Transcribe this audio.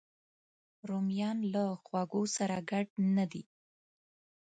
رومیان له خوږو سره ګډ نه دي